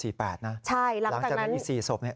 ใช่หลังจากนั้นหลังจากนั้นมี๔ศพเนี่ย